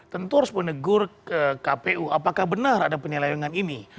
tentu harus menegur kpu apakah benar ada penyelewengan ini